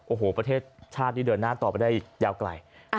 โอ้โหประเทศชาตินี่เดินหน้าต่อไปได้ยาวไกล